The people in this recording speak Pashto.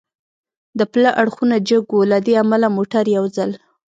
د پله اړخونه جګ و، له دې امله موټر یو ځل.